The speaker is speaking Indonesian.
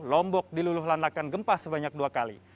lombok diluluh landakan gempa sebanyak dua kali